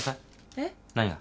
えっ？何が？